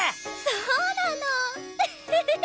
そうなのォ！